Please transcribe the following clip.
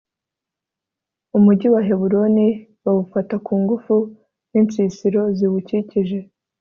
umugi wa heburoni bawufata ku ngufu n'insisiro ziwukikije